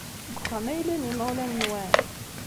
Deg uxxam ay llan yimawlan-nwent?